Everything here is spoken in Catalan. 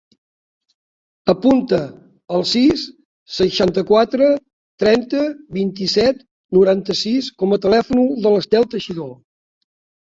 Apunta el sis, seixanta-quatre, trenta, vint-i-set, noranta-sis com a telèfon de l'Estel Teixidor.